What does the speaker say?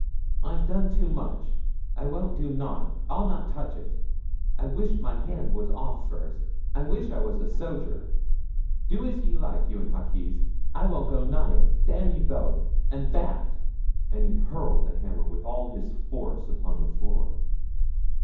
'I've done too much. I won't do nout; I'll not touch it. I wish my hand was off first; I wish I was a soger. Do as ye like, you an' Hawkes. I won't go nigh it; damn ye both and that!' and he hurled the hammer with all his force upon the floor.